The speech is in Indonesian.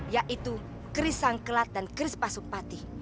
yaitu keris sangkelat dan keris pasuk patih